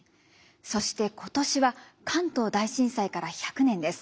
そして今年は関東大震災から１００年です。